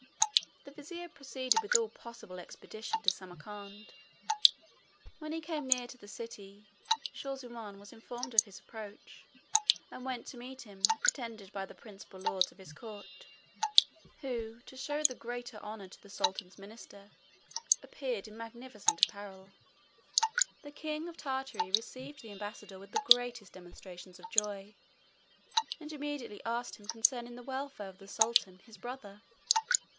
The vizier proceeded with all possible expedition to Samarcand. When he came near the city, Shaw zummaun was informed of his approach, and went to meet him attended by the principal lords of his court, who, to shew the greater honour to the sultan's minister, appeared in magnificent apparel. The king of Tartary received the ambassador with the greatest demonstrations of joy; and immediately asked him concerning the welfare of the sultan his brother.